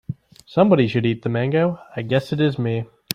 Somebody should eat the mango, I guess it is me.